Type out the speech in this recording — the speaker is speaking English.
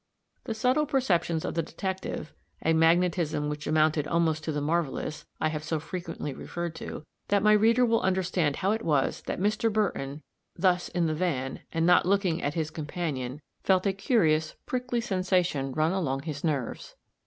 The subtle perceptions of the detective, a magnetism which amounted almost to the marvelous, I have so frequently referred to, that my reader will understand how it was that Mr. Burton, thus in the van, and not looking at all at his companion, felt a curious, prickly sensation run along his nerves.